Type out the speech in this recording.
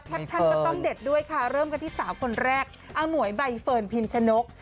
แคปชั่นก็ต้องเด็ดด้วยค่ะเริ่มกันที่๓คนแรกอ๋อหมวยใบเฟิร์นพิมพ์ชนก